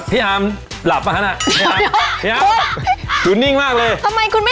พี่หามหลับมาฮะน่ะ